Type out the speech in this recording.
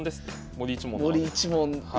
森一門の。